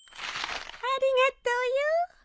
ありがとうよ。